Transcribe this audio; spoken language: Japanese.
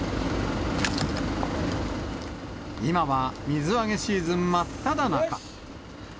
今は水揚げシーズン真っただ中。